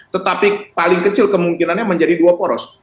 tetapi paling kecil kemungkinannya menjadi dua poros